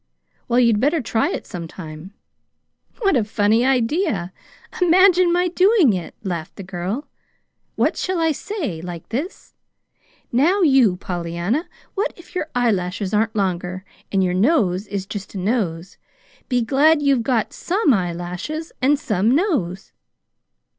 "Well, you'd better try it sometime." "What a funny idea! Imagine my doing it," laughed the girl. "What shall I say? Like this? 'Now, you, Pollyanna, what if your eyelashes aren't long, and your nose is just a nose, be glad you've got SOME eyelashes and SOME nose!'"